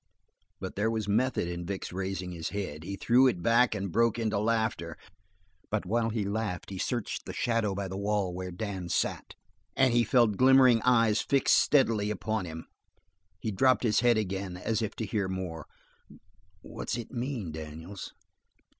But there was method in Vic's raising his head. He threw it back and broke into laughter, but while he laughed he searched the shadow by the wall where Dan sat, and he felt glimmering eyes fixed steadily upon him. He dropped his head again, as if to hear more. "What's it mean, Daniels?"